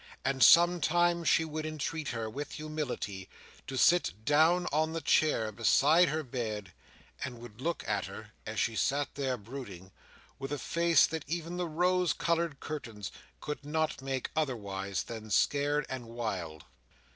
And sometimes she would entreat her, with humility, to sit down on the chair beside her bed, and would look at her (as she sat there brooding) with a face that even the rose coloured curtains could not make otherwise than scared and wild.